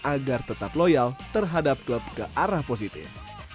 agar tetap loyal terhadap klub ke arah positif